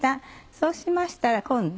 そうしましたら今度。